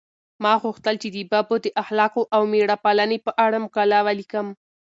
ما غوښتل چې د ببو د اخلاقو او مېړه پالنې په اړه مقاله ولیکم.